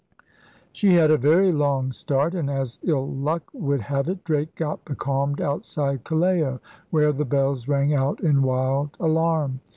She had a very long start; and, as ill luck would have it, Drake got becalmed outside Callao, where the bells rang out in wild alarm.